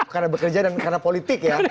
karena bekerja dan karena politik ya